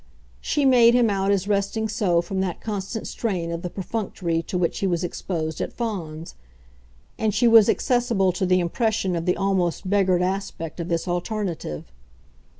She made him out as resting so from that constant strain of the perfunctory to which he was exposed at Fawns; and she was accessible to the impression of the almost beggared aspect of this alternative.